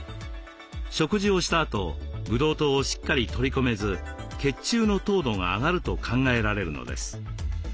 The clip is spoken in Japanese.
食事をしたあとブドウ糖をしっかり取り込めず血中の糖度が上がると考えられるのです。